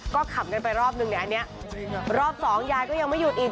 ก็ขำกันไปรอบหนึ่งรอบสองยายก็ยังไม่หยุดอีก